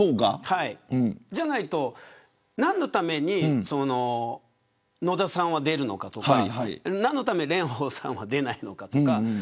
じゃないと何のために野田さんは出るのかとか何のため蓮舫さんは出ないのかとか。